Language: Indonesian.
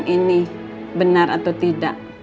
ini benar atau tidak